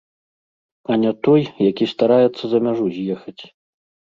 А не той, якія стараецца за мяжу з'ехаць.